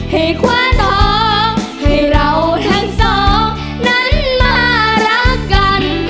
ให้คว้าน้องให้เราทั้งสองนั้นมารักกัน